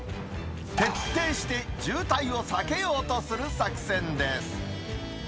徹底して渋滞を避けようとする作戦です。